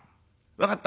分かった。